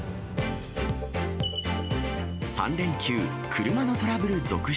３連休、車のトラブル続出。